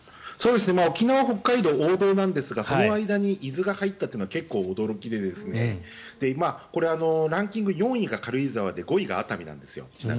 沖縄、北海道は王道なんですがその間に伊豆が入ったというのは結構、驚きでこれはランキング４位が軽井沢で５位が熱海なんですよ。